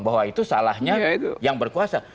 bahwa itu salahnya yang berkuasa